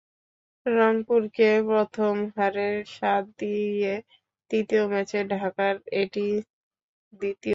রংপুরকে প্রথম হারের স্বাদ দিয়ে তৃতীয় ম্যাচে ঢাকার এটি দ্বিতীয় জয়।